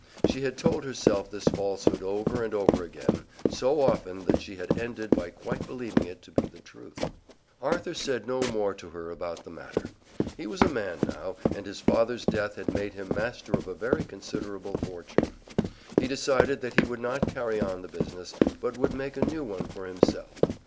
She had told herself this falsehood over and over again so often that she had ended by quite believing it to be the truth. Arthur said no more to her about the matter. He was a man now, and his father's death had made him master of a very considerable fortune. He decided that he would not carry on the business, but would make a new one for himself.